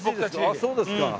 あっそうですか。